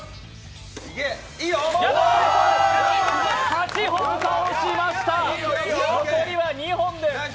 ８本倒しました、残りは２本です。